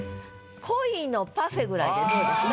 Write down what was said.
「恋のパフェ」ぐらいでどうですか？